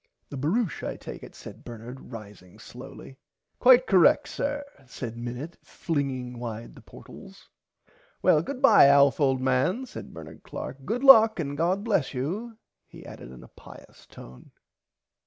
The barouche I take it said Bernard rising slowly. Quite correct sir said Minnit flinging wide the portles. Well goodbye Alf old man said Bernard Clark good luck and God bless you he added in a pius tone.